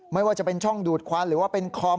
ไม่ว่าจะเป็นช่องดูดควันหรือว่าเป็นคอม